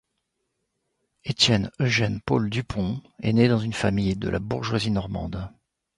Étienne Eugène Paul Dupont est né dans une famille de la bourgeoisie normande.